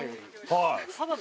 ・はい。